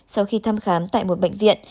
sau khi thăm khám tại một bệnh viện